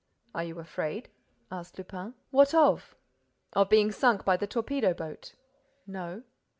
"Are you afraid?" asked Lupin. "What of?" "Of being sunk by the torpedo boat." "No."